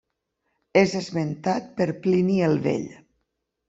És esmentat per Plini el Vell.